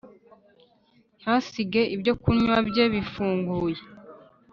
ntasige ibyo kunywa bye bifunguye,